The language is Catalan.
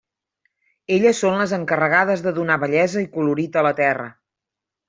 Elles són les encarregades de donar bellesa i colorit a la terra.